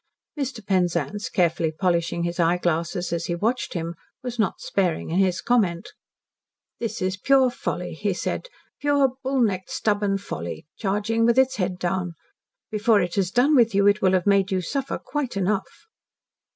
Mr. Penzance, carefully polishing his eyeglasses as he watched him, was not sparing in his comment. "That is pure folly," he said, "pure bull necked, stubborn folly, charging with its head down. Before it has done with you it will have made you suffer quite enough."